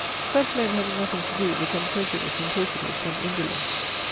Such men having nothing to do become credulous and talkative from indolence."